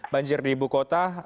banjir di ibu kota